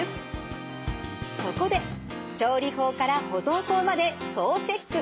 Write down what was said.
そこで調理法から保存法まで総チェック。